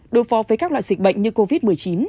đối phó với các loại dịch bệnh như covid một mươi chín